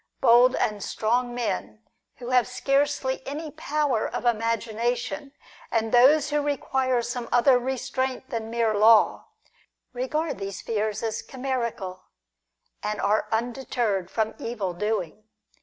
Bold and strong men, who have scarcely any power of imagination, and those who require some other restraint than mere law, regard these fears as chimerical, and are undeterred from evil doing.